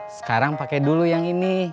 sekarang pakai dulu yang ini